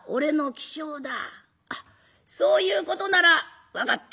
そういうことなら分かった。